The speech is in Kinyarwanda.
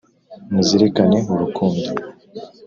muzirikane urukundo